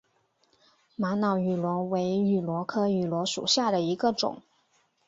玛瑙芋螺为芋螺科芋螺属下的一个种。